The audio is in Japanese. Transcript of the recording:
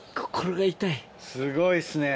すごいっすね。